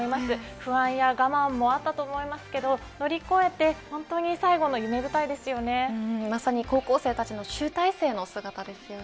不安や我慢もあったと思いますけど乗り越えてまさに高校生たちの集大成の姿ですよね。